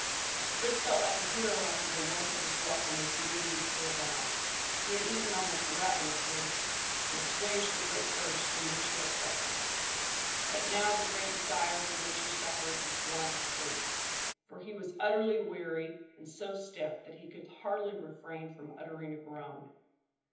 Chris felt like a hero after the warmth of his welcome was beginning to cool down. He had eaten almost ravenously, and assuaged the great thirst from which he had suffered. But now the great desire from which he suffered was want of sleep, for he was utterly weary and so stiff that he could hardly refrain from uttering a groan.